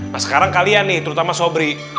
nah sekarang kalian nih terutama sobri